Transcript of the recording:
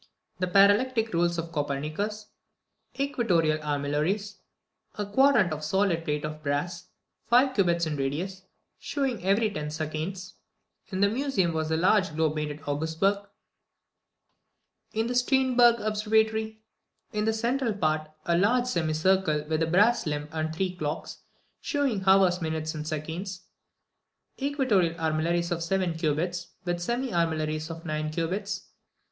13. The parallactic rules of Copernicus. 14. Equatorial armillaries. 15. A quadrant of a solid plate of brass, five cubits in radius, shewing every ten seconds. 16. In the museum was the large globe made at Augsburg, see p. 134. In the Stiern berg Observatory. 17. In the central part, a large semicircle, with a brass limb, and three clocks, shewing hours, minutes, and seconds. 18. Equatorial armillaries of seven cubits, with semi armillaries of nine cubits.